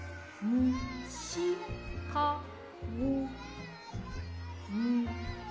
むしかご？